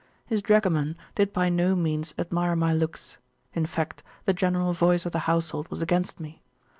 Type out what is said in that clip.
His dragoman did by no means admire my looks; in fact, the general voice of the household was against me.